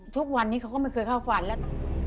ทุกวันนี้เขาก็ไม่เคยเข้าฝันแล้ว